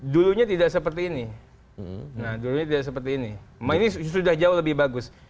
dulunya tidak seperti ini nah dulunya tidak seperti ini ini sudah jauh lebih bagus